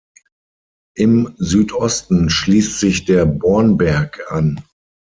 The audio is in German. Im Südosten schließt sich der Bornberg an.